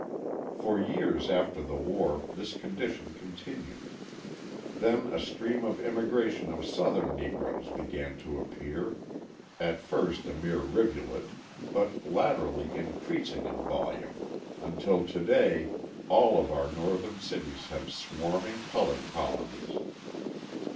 For years after the war this condition continued; then a stream of immigration of Southern Negroes began to appear, at first a mere rivulet, but latterly increasing in volume, until to day all of our Northern cities have swarming coloured colonies.